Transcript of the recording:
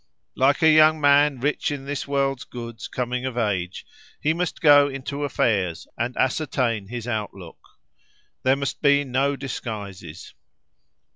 Like a young man rich in this world's goods coming of age, he must go into affairs, and ascertain his outlook. There must be no disguises.